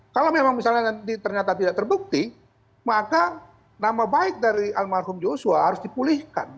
kalau memang misalnya nanti ternyata tidak terbukti maka nama baik dari almarhum joshua harus dipulihkan